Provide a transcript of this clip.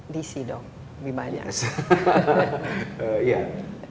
dc dong lebih banyak